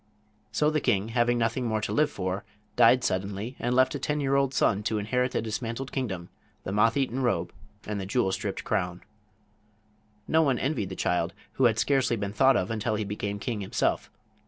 So the king, having nothing more to live for, died suddenly and left a ten year old son to inherit the dismantled kingdom, the moth eaten robe and the jewel stripped crown. No one envied the child, who had scarcely been thought of until he became king himself.